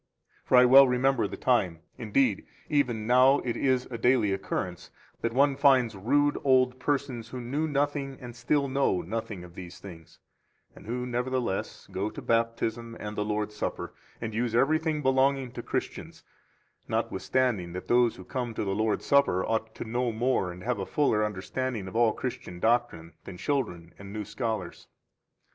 5 For I well remember the time, indeed, even now it is a daily occurrence that one finds rude, old persons who knew nothing and still know nothing of these things, and who, nevertheless, go to Baptism and the Lord's Supper, and use everything belonging to Christians, notwithstanding that those who come to the Lord's Supper ought to know more and have a fuller understanding of all Christian doctrine than children and new scholars.